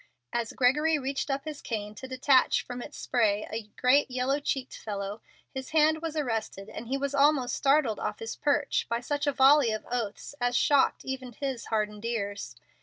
As Gregory reached up his cane to detach from its spray a great, yellow cheeked fellow, his hand was arrested, and he was almost startled off his perch by such a volley of oaths as shocked even his hardened ears.